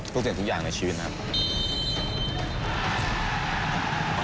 ลูกเสียงทุกอย่างในชีวิตนะครับ